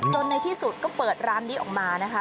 ในที่สุดก็เปิดร้านนี้ออกมานะคะ